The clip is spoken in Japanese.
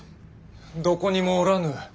どこにもおらぬ。